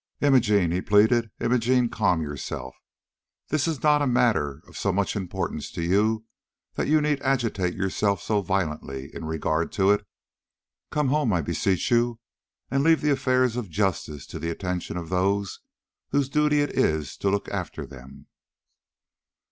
"Imogene," he pleaded, "Imogene, calm yourself. This is not a matter of so much importance to you that you need agitate yourself so violently in regard to it. Come home, I beseech you, and leave the affairs of justice to the attention of those whose duty it is to look after them."